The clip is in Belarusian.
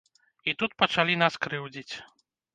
І тут пачалі нас крыўдзіць.